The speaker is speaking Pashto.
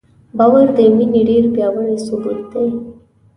باور د مینې ډېر پیاوړی ثبوت دی.